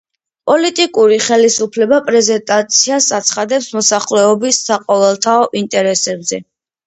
პოლიტიკური ხელისუფლება პრეტენზიას აცხადებს მოსახლეობის საყოველთაო ინტერესებზე.